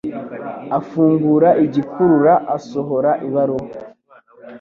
Afungura igikurura, asohora ibaruwa.